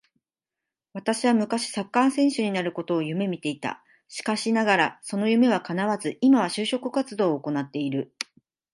私は昔サッカー選手になることを夢見ていた。しかしながらその夢は叶わず、今は就職活動を行ってる。